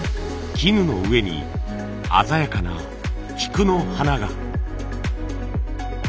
絹の上に鮮やかな菊の花が！